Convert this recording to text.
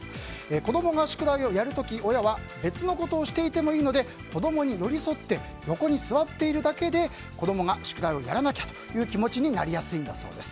子供が宿題をやる時、親は別のことをしていてもいいので子供に寄り添って横に座っているだけで子供が宿題をやらなきゃという気持ちになりやすいんだそうです。